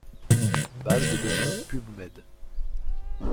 Base de données Pubmed.